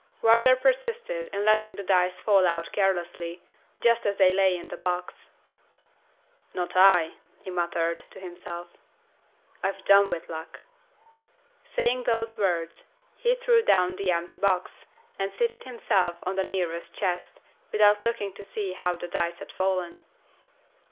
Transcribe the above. Wardour persisted in letting the dice fall out carelessly, just as they lay in the box. "Not I!" he muttered to himself. "I've done with luck." Saying those words, he threw down the empty box, and seated himself on the nearest chest, without looking to see how the dice had fallen.